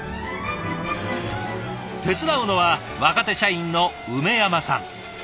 手伝うのは若手社員の梅山さん。